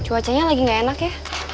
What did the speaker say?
cuacanya lagi nggak enak ya